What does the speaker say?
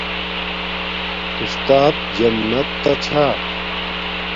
اُستات جنت تاچھا